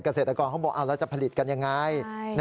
เกษตรกรเขาบอกเอาละจะผลิตกันอย่างไร